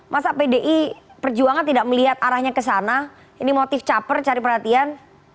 masa pdi perjuangan tidak melihat arahnya ke sana ini motif caper cari perhatian